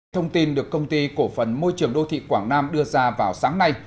thông tin được công ty cổ phần môi trường đô thị quảng nam đưa ra vào sáng nay